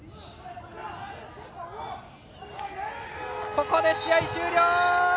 ここで試合終了。